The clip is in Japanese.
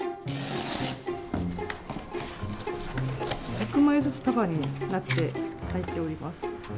１００枚ずつ束になって入っております。